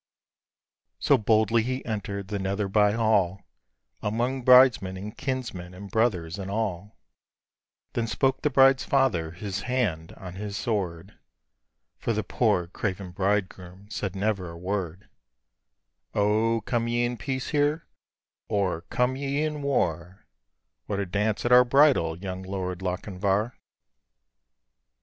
So boldly he enter'd the Netherby Hall, Among bridesmen, and kinsmen, and brothers, and all; Then spoke the bride's father, his hand on his sword (For the poor craven bridegroom said never a word), ' O, come ye in peace here, or come ye in war, Or to dance at our bridal, young Lord Lochinvar?'